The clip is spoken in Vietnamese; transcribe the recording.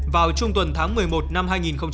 vào trung tuần tháng một mươi một năm hai nghìn hai mươi